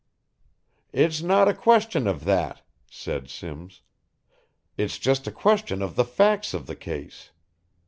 "It's not a question of that," said Simms. "It's just a question of the facts of the case.